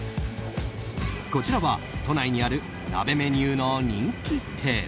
こちらは都内にある鍋メニューの人気店。